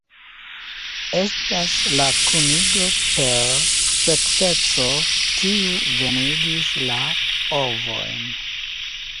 Estas la kunigo per sekseco kiu venigis la ovojn.